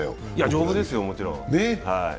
丈夫ですよ、もちろん。